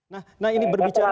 nah ini berbicara